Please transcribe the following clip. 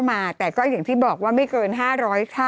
จำกัดจำนวนได้ไม่เกิน๕๐๐คนนะคะ